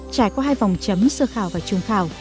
trải qua hai vòng chấm sơ khảo và trung khảo